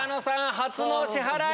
初のお支払い。